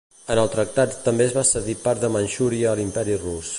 En el tractat també es va cedir part de Manxúria a l'Imperi Rus.